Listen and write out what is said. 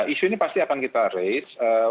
isu ini pasti akan kita rate